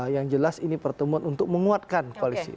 yang jelas ini pertemuan untuk menguatkan koalisi